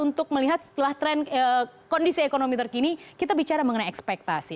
untuk melihat setelah tren kondisi ekonomi terkini kita bicara mengenai ekspektasi